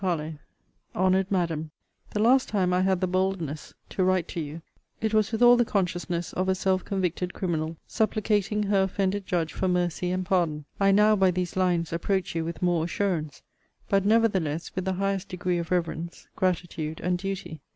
HARLOWE HONOURED MADAM, The last time I had the boldness to write to you, it was with all the consciousness of a self convicted criminal, supplicating her offended judge for mercy and pardon. I now, by these lines, approach you with more assurance; but nevertheless with the highest degree of reverence, gratitude, and duty.